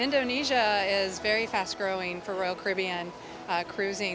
indonesia sangat cepat berkembang untuk royal caribbean perjalanan